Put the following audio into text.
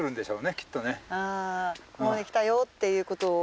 ここまで来たよっていうことを。